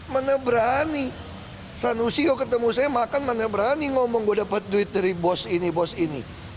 mana berani sanusio ketemu saya makan mana berani ngomong gue dapat duit dari bos ini bos ini